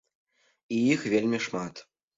І іх вельмі шмат.